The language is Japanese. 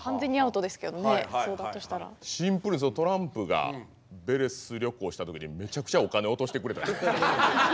シンプルですけどトランプがヴェレス旅行した時にめちゃくちゃお金を落としてくれた。